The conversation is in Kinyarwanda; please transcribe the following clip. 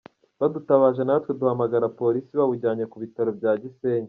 Badutabaje natwe duhamagara Polisi bawujyanye ku bitaro bya Gisenyi.